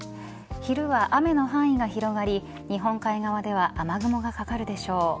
昼は雨の範囲が広がり日本海側では雨雲がかかるでしょう。